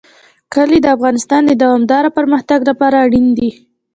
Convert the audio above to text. کلي د افغانستان د دوامداره پرمختګ لپاره اړین دي.